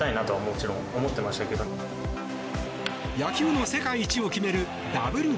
野球の世界一を決めるＷＢＣ。